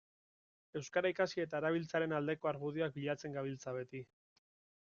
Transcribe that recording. Euskara ikasi eta erabiltzearen aldeko argudioak bilatzen gabiltza beti.